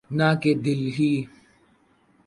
نہ کہ دہلی۔